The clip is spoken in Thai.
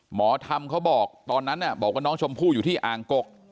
หมอธรรมเขาบอกตอนนั้นบอกว่าน้องชมพู่อยู่ที่อ่างกก